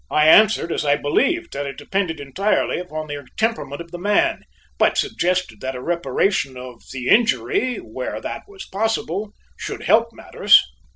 I answered as I believed, that it depended entirely upon the temperament of the man, but suggested that a reparation of the injury, where that was possible, should help matters.